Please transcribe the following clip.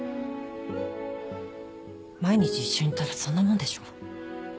毎日一緒にいたらそんなもんでしょ。